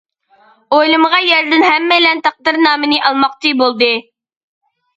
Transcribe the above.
ئويلىمىغان يەردىن ھەممەيلەن تەقدىرنامىنى ئالماقچى بولدى.